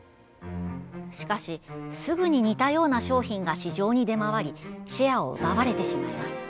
しかし、すぐに似たような商品が市場に出回りシェアを奪われてしまいます。